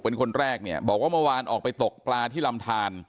เป็นคนแรกเนี่ยบอกว่าเมื่อวานออกไปตกปลาที่ลำทาน